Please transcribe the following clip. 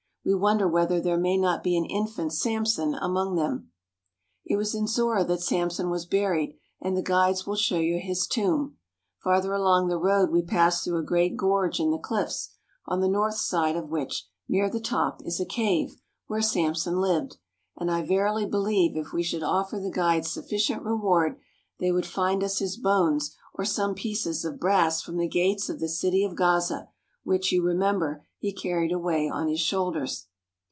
We wonder whether there may not be an infant Samson among them. It was in Zorah that Samson was buried, and the guides will show you his tomb. Farther along the road we pass through a great gorge in the cliffs, on the north side of which, near the top, is a cave, where Samson lived, and I verily believe if we should offer the guides sufficient reward they would find us his bones or some pieces of brass from the gates of the city of Gaza, which, you re member, he carried away on his shoulders.